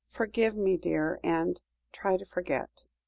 Forgive me, dear and try to forget."